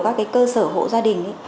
các cái cơ sở hộ gia đình